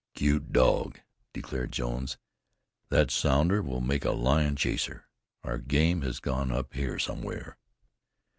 "Cute dog!" declared Jones. "That Sounder will make a lion chaser. Our game has gone up here somewhere."